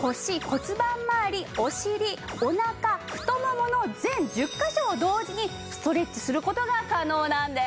骨盤まわりお尻おなか太ももの全１０カ所を同時にストレッチする事が可能なんです。